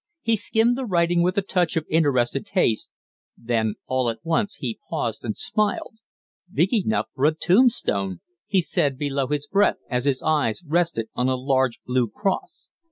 He skimmed the writing with a touch of interested haste, then all at once he paused and smiled. "Big enough for a tombstone!" he said below his breath as his eyes rested on a large blue cross.